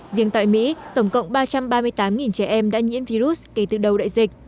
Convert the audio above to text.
riêng tại mỹ tổng cộng ba trăm ba mươi tám trẻ em đã nhiễm virus kể từ đầu đại dịch